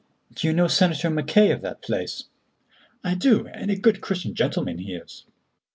"Do you know Senator Mackay, of that place?" "I do, and a good Christian gentleman he is."